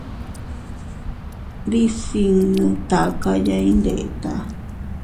Ndisinnu takaya iyndeta.